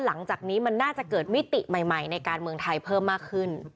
หลังจากนี้มันน่าจะเกิดมิติใหม่ในการเมืองไทยเพิ่มมากขึ้น